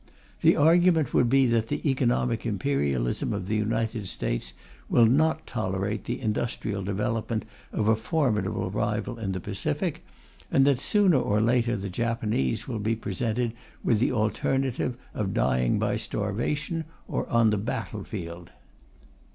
The argument would be that the economic imperialism of the United States will not tolerate the industrial development of a formidable rival in the Pacific, and that sooner or later the Japanese will be presented with the alternative of dying by starvation or on the battlefield.